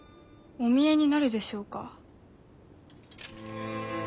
・お見えになるでしょうか。